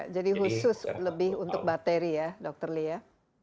jadi khusus lebih untuk bakteri ya dr lee